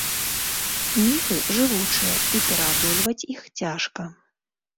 Міфы жывучыя і пераадольваць іх цяжка.